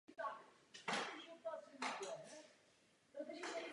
Spolupracoval také na přístupových jednáních do Evropské unie.